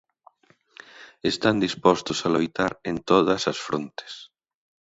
Están dispostos a loitar en todas as frontes.